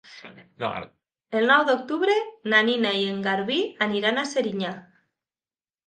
El nou d'octubre na Nina i en Garbí aniran a Serinyà.